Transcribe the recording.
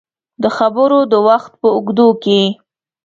د خبرو د وخت په اوږدو کې